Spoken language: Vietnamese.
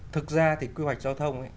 thực ra thì quy hoạch giao thông